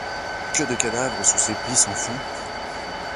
Que de cadavres sous ces plis sans fond !